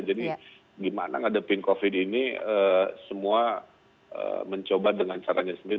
jadi gimana ngadepin covid ini semua mencoba dengan caranya sendiri